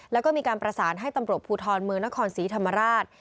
แล้วก็มีการประสานให้ตำรวจภูทรเมืองนครศรีธรรมราช